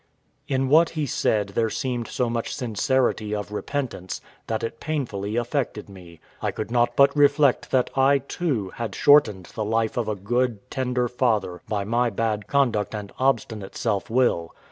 In what he said there seemed so much sincerity of repentance, that it painfully affected me. I could not but reflect that I, too, had shortened the life of a good, tender father by my bad conduct and obstinate self will.